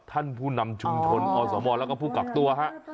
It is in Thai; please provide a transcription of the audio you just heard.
ท่านผู้นำชุมชนอสมแล้วก็ผู้กักตัวฮะ